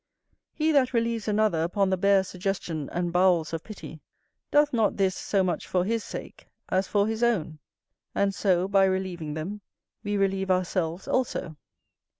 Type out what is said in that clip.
He that relieves another upon the bare suggestion and bowels of pity doth not this so much for his sake as for his own; and so, by relieving them, we relieve ourselves also.